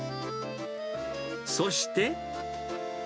そして。